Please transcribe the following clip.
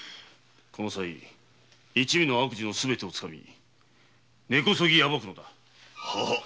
このさい一味の悪事のすべてをつかみ根こそぎ暴くのだ！